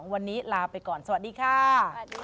วันนี้ลาไปก่อนสวัสดีค่ะ